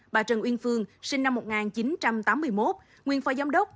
bà trần uyên phương sinh năm một nghìn chín trăm tám mươi một nguyên phó giám đốc